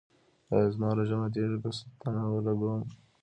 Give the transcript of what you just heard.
ایا زما روژه ماتیږي که ستنه ولګوم؟